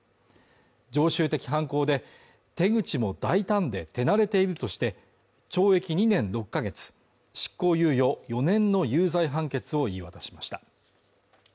常習的犯行で、手口も大胆で手馴れているとして懲役２年６ヶ月、執行猶予４年の有罪判決を言い渡しました。